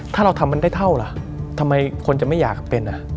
ถ้าเราทำมันได้เท่าล่ะทำไมคนจะไม่อยากเป็นอ่ะ